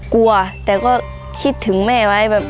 กลัวแต่ก็คิดถึงแม่ไว้แบบ